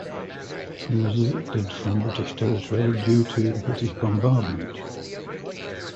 He was evicted from British territory due to British bombardment.